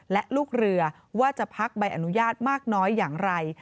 และลูกเรือว่าจะพักใบอนุญาตมากน้อยอย่างไร